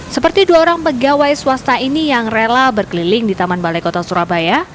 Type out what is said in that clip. seperti dua orang pegawai swasta ini yang rela berkeliling di taman balai kota surabaya